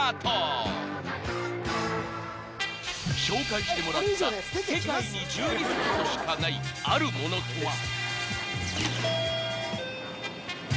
［紹介してもらった世界に１２セットしかないあるものとは？］